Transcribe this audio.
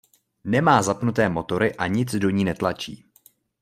Nemá zapnuté motory a nic do ní netlačí.